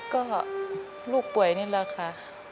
ก็ลูกป่วยนี่แหละค่ะ